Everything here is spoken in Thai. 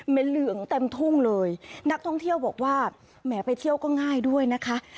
เป็นเหลืองเต็มทุ่งเลยนักท่องเที่ยวบอกว่าแหมไปเที่ยวก็ง่ายด้วยนะคะ